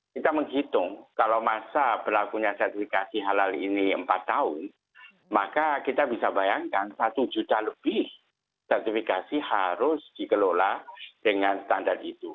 kita menghitung kalau masa berlakunya sertifikasi halal ini empat tahun maka kita bisa bayangkan satu juta lebih sertifikasi harus dikelola dengan standar itu